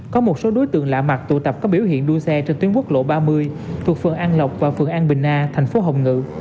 có một số đối tượng lạ mặt tụ tập có biểu hiện đua xe trên tuyến quốc lộ ba mươi thuộc phường an lộc và phường an bình a thành phố hồng ngự